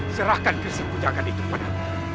serahkan kesimpulannya kepada aku